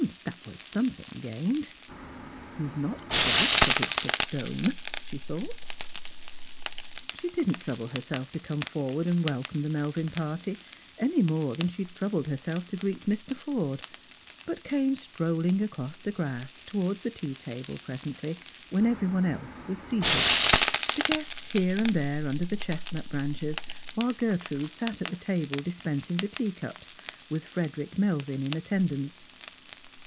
That waa eomething gained. " He is nofc quite a block of stone !" she thought. She did not trouble herself to come forward and welcome the Melvin party, any more than she had troubled herself to greet 18 Strangers and Pilgrims. Mr. Forde ; but came strolling across the grass towards the tea table presently when every one else was seated ; the guests here and there under the chestnut branches, while Gertrude sat at the table disjDensing the tea cups, with Frederick Melvin in attendance.